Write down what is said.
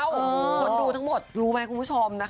คนดูทั้งหมดรู้ไหมคุณผู้ชมนะคะ